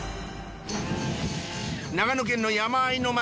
長野県の山あいの町。